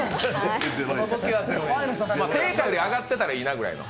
定価より上がってたらいいなぐらいの？